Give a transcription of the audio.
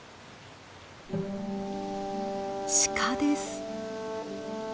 シカです。